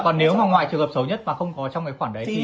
còn nếu mà ngoài trường hợp xấu nhất mà không có trong khoảng đấy thì